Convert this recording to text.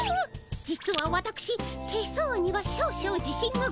実はわたくし手相には少々自信がございまして。